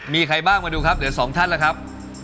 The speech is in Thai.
มีใครบ้างมาดูครับเดี๋ยวสองท่านล่ะครับ